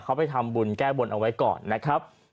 เขาไปทำบุญแก้บนเอาไว้ก่อนนะครับ